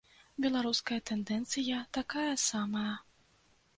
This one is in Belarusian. Беларуская тэндэнцыя такая самая.